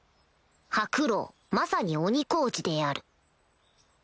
ハクロウまさに鬼コーチである